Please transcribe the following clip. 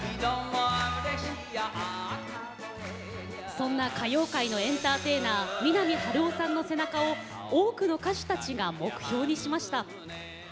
そんな歌謡界のエンターテイナー三波春夫さんの背中を多くの歌手たちが目標にしました。